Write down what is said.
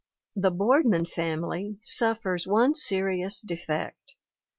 The Boardman Family suffers one serious defect.